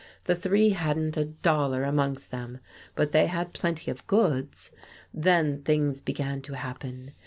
The three hadn't a dollar amongst them, but they had plenty of goods. Then things began to happen.